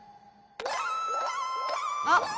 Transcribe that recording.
あっ！